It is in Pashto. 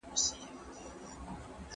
لوستې مور د ماشومانو د ؛خوړو کيفيت ارزوي.